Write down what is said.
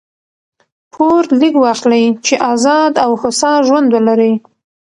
پور لږ واخلئ! چي آزاد او هوسا ژوند ولرئ.